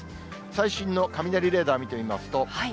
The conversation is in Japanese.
最新の雷レーダーを見てみますと。